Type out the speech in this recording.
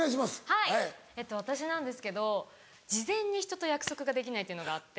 はい私なんですけど事前に人と約束ができないっていうのがあって。